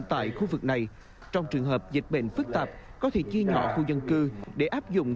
tại khu vực này trong trường hợp dịch bệnh phức tạp có thể chia nhỏ khu dân cư để áp dụng